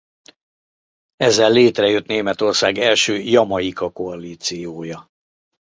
Ezzel létrejött Németország első Jamaica-koalíciója.